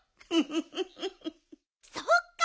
そっか！